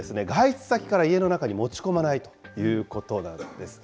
ポイントはとにかく外出先から家の中に持ち込まないということなんです。